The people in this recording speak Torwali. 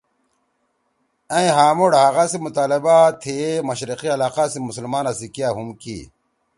اَئں ہامُوڑ حقا سی مطالبہ تھیئے مشرقی علاقا سی مسلمانا سی کیا ہُم کی